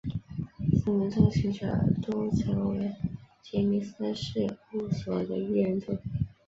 四名作曲者都曾为杰尼斯事务所的艺人作曲。